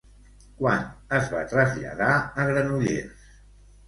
Quan es va traslladar a Granollers?